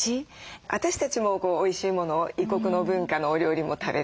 私たちもおいしいものを異国の文化のお料理も食べたい。